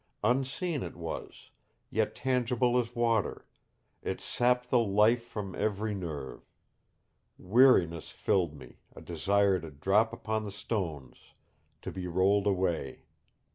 Unseen it was yet tangible as water; it sapped the life from every nerve. Weariness filled me, a desire to drop upon the stones, to be rolled away.